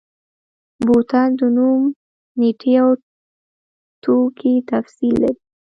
بوتل د نوم، نیټې او توکي تفصیل لري.